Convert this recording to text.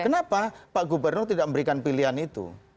kenapa pak gubernur tidak memberikan pilihan itu